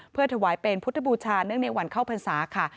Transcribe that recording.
เพื่อถวายเป็นพุทธบูชาเนื่องในวันเข้าพรรษาค่ะ